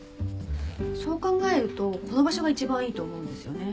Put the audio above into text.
そう考えるとこの場所が一番いいと思うんですよね。